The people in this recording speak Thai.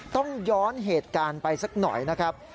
ต้องย้อนเหตุการณ์ไปสักหน่อยนะครับ